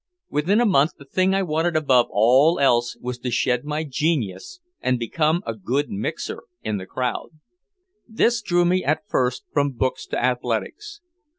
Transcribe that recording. Within a month the thing I wanted above all else was to shed my genius and become "a good mixer" in the crowd. This drew me at first from books to athletics.